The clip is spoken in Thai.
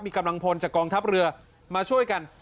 มีกำลังพลจากกองทัพเรือมาช่วยกัน